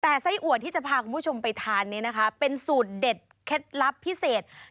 แต่ไส้อัวที่จะพาคุณผู้ชมไปทานนี้นะคะเป็นสูตรเด็ดเคล็ดลับพิเศษ